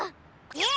えっ！